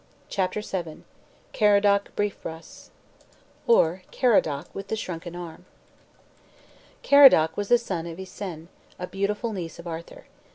CHAPTER VII CARADOC BRIEFBRAS; OR, CARADOC WITH THE SHRUNKEN ARM Caradoc was the son of Ysenne, the beautiful niece of Arthur.